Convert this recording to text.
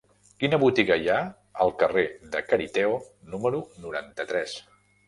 Quina botiga hi ha al carrer de Cariteo número noranta-tres?